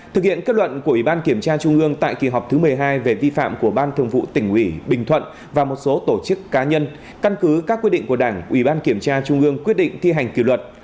thực hiện kết luận của ủy ban kiểm tra trung ương tại kỳ họp thứ một mươi hai về vi phạm của ban thường vụ tỉnh ủy bình thuận và một số tổ chức cá nhân căn cứ các quyết định của đảng ủy ban kiểm tra trung ương quyết định thi hành kỷ luật